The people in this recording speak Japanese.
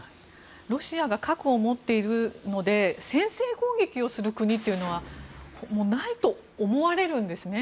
ロシアが核を持っているので先制攻撃をする国というのはないと思われるんですね。